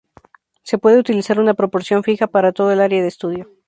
Se puede utilizar una proporción fija para toda el área de estudio.